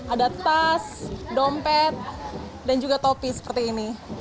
ada tas dompet dan juga topi seperti ini